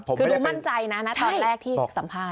คือดูมั่นใจนะนะตอนแรกที่สัมภาษณ